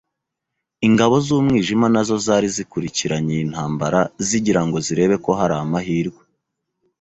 Ingabo z’umwijima na zo zari zikurikiranye iyi ntambara zigira ngo zirebe ko hari amahirwe